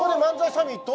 サミット